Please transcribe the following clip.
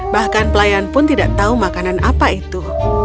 bahkan pelayan pun tidak tahu makanan apa itu